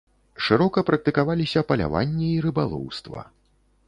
Шырока практыкаваліся паляванне і рыбалоўства.